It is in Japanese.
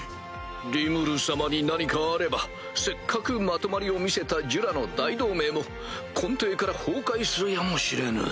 リムル様に何かあればせっかくまとまりを見せたジュラの大同盟も根底から崩壊するやもしれぬ。